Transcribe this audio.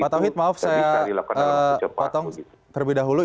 pak tauhid maaf saya potong terlebih dahulu